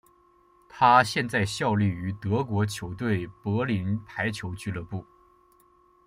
他现在效力于德国球队柏林排球俱乐部。